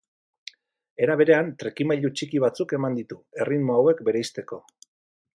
Era berean, trikimailu txiki batzuk eman ditu, erritmo hauek bereizteko.